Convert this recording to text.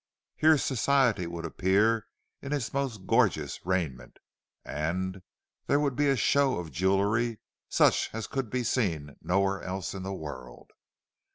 Here Society would appear in its most gorgeous raiment, and, there would be a show of jewellery such as could be seen nowhere else in the world.